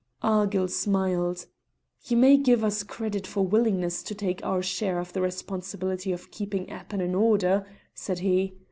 Argyll smiled. "You may give us credit for willingness to take our share of the responsibility of keeping Appin in order," said he.